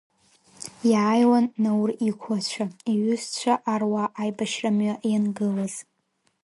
Иааиуан Наур иқәлацәа, иҩызцәа аруаа аибашьра мҩа иангылаз.